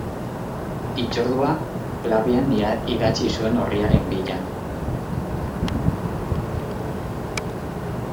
Hitzordua klabean idatzi zuen orriaren bila.